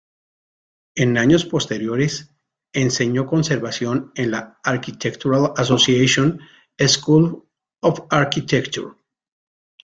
En años posteriores, enseñó conservación en la Architectural Association School of Architecture.